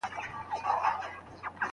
د حج دپاره په کڅوڼي کي نوي تسبېح لرم.